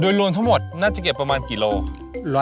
โดยรวมทั้งหมดน่าจะเก็บประมาณกี่โล